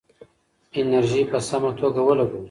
انرژي په سمه توګه ولګوئ.